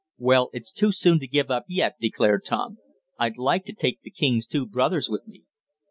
"Well, it's too soon to give up yet," declared Tom. "I'd like to take the king's two brothers with me."